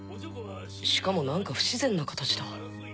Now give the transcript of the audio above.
しかも何か不自然な形だ